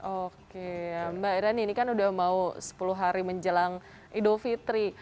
oke mbak irani ini kan udah mau sepuluh hari menjelang idul fitri